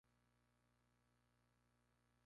Estudió Bachillerato en Wichita, Kansas.